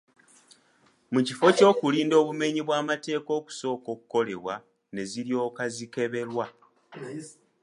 Mu kifo ky’okulinda obumenyi bw’amateeka okusooka okukolebwa ne ziryoka zikeberwa.